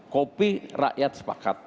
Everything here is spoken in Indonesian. kopi rakyat sepakat